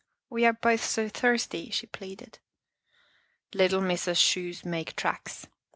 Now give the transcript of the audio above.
We are both so thirsty," she pleaded. " Little Missa's shoes make tracks.